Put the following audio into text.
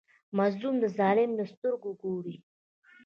مظلوم د ظالم له سترګو ګوري.